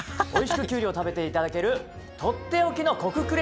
おいしくきゅうりを食べていただけるとっておきの克服